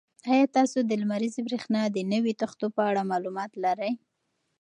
ایا تاسو د لمریزې برېښنا د نویو تختو په اړه معلومات لرئ؟